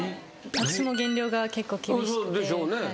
私も減量が結構厳しくて。でしょうね。